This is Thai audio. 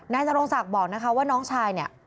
นายจรงศักดิ์บอกว่าน้องชาย